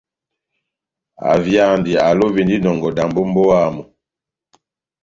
Avyandi, alovindi inɔngɔ dambo ó mbówa yamu.